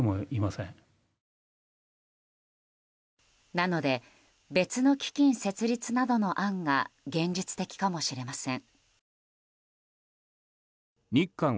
なので別の基金設立などの案が現実的かもしれません。